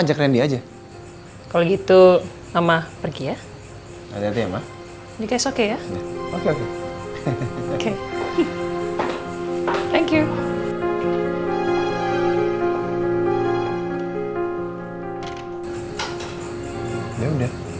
yang penting kan udah ketemu